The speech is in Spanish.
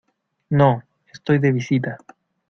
no, estoy de visita.